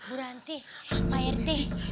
bu rantih pak rt